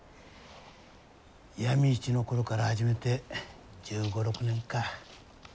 闇市の頃から始めて１５１６年か。